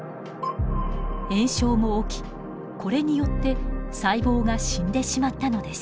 炎症も起きこれによって細胞が死んでしまったのです。